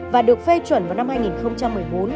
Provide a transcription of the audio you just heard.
và được phê chuẩn vào năm hai nghìn một mươi bốn